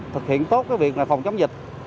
thực hiện tốt cái việc phòng chống dịch